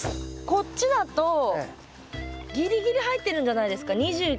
こっちだとぎりぎり入ってるんじゃないですか？